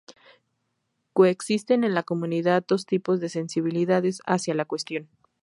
Coexisten en la comunidad dos tipos de sensibilidades hacia la cuestión.